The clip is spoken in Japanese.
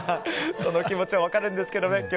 その気持ちは分かるんですけどね。